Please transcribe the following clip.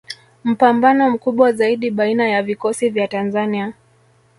Mpambano mkubwa zaidi baina ya vikosi vya Tanzania